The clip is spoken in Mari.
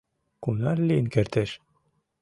Кунар лийын кертеш?